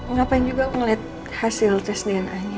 ngapain juga aku ngeliat hasil tes dna nya